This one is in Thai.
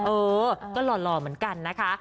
เออก็หล่อเหมือนกันนะคะ